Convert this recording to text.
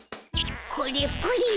これプリン